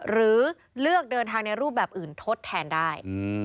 หรือเลือกเดินทางในรูปแบบอื่นทดแทนได้